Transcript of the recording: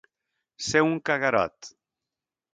Ser un caguerot.